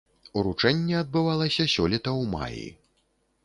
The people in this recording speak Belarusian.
Уручэнне адбывалася сёлета ў маі.